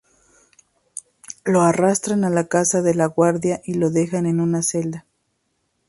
Lo arrastran a la casa de la guardia y lo dejan en una celda.